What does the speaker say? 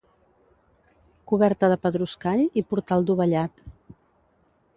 Coberta de pedruscall i portal dovellat.